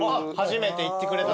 初めて行ってくれた。